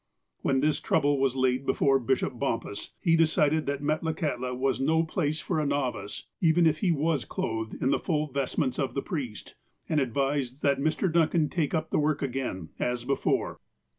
"When this trouble was laid before Bishop Bompas, he decided that Metlakahtla was no place for a "novice," even if he was clothed in the full vestments of the priest, and advised that Mr. Duncan take up the work again, as before.